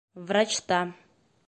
Врачта.